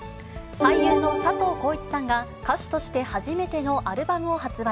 俳優の佐藤浩市さんが、歌手として初めてのアルバムを発売。